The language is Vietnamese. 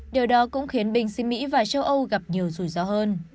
điều đó cũng khiến binh sĩ mỹ và châu âu gặp nhiều rủi ro hơn